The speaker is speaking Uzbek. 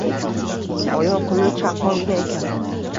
Oyoq-qo`li chaqqongina ekan